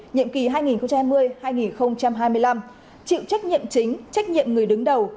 nhiệm kỳ hai nghìn hai mươi hai nghìn hai mươi năm chịu trách nhiệm chính trách nhiệm người đứng đầu